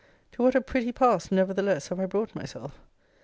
To what a pretty pass, nevertheless, have I brought myself!